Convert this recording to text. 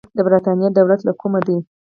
د برتانیې دولت له کومه دی.